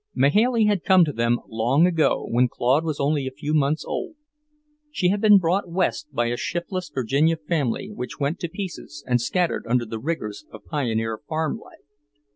Mahailey had come to them long ago, when Claude was only a few months old. She had been brought West by a shiftless Virginia family which went to pieces and scattered under the rigours of pioneer farm life.